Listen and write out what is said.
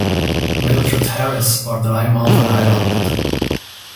Mildred Harris war dreimal verheiratet.